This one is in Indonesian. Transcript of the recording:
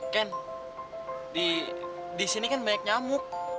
ken disini kan banyak nyamuk